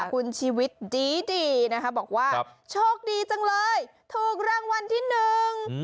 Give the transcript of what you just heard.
คุณชีวิตดีดีนะคะบอกว่าโชคดีจังเลยถูกรางวัลที่หนึ่ง